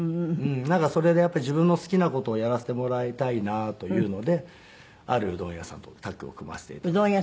なんかそれでやっぱり自分の好きな事をやらせてもらいたいなというのであるうどん屋さんとタッグを組ませていただいて。